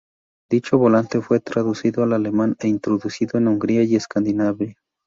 Dicho volante fue traducido al alemán e introducido en Hungría y Escandinavia.